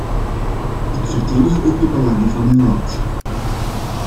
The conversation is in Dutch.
Ik verdedig ook de belangen van mijn land.